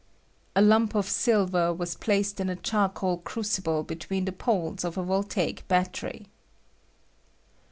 [A lump of silver was placed in a char coal crucible between the poles of a voltaic battery.